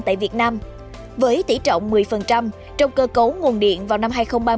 tại việt nam với tỷ trọng một mươi trong cơ cấu nguồn điện vào năm hai nghìn ba mươi